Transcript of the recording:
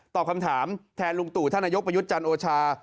ตอบคำถามแทนลุงตู่ท่านนายกประยุทธ์จันทร์โอชา